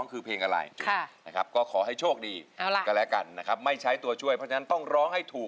ก็ไม่น่าจะใช้นะฮะเพราะว่ามีโอกาสแล้วนะฮะ